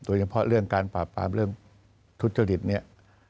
โดยเฉพาะเรื่องการปราบปรามเรื่องทุจริตเนี่ย